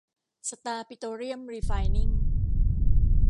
สตาร์ ปิโตรเลียม รีไฟน์นิ่ง